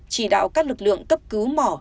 chỉ đạo các lực lượng cấp cứu mỏ